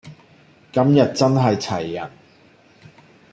今日真係齊人